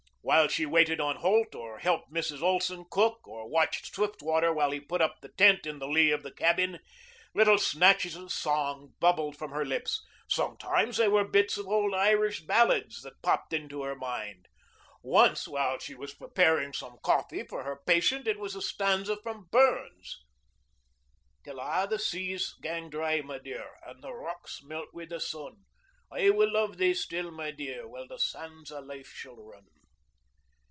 While she waited on Holt or helped Mrs. Olson cook or watched Swiftwater while he put up the tent in the lee of the cabin, little snatches of song bubbled from her lips. Sometimes they were bits of old Irish ballads that popped into her mind. Once, while she was preparing some coffee for her patient, it was a stanza from Burns: "Till a' the seas gang dry, my dear, And the rocks melt wi' the sun: I will luve thee still, my dear, While the sands o' life shall run."